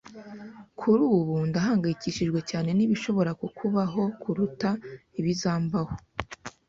Kuri ubu, ndahangayikishijwe cyane nibishobora kukubaho kuruta ibizambaho.